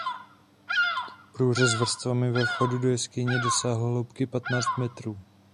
Průřez vrstvami ve vchodu do jeskyně dosáhl hloubky patnáct metrů.